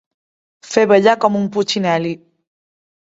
Fer ballar com un putxinel·li.